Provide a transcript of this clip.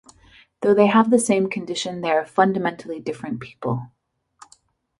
Though they have the same condition they are fundamentally different people.